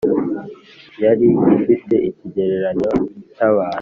yari ifite ikigereranyo cy' abantu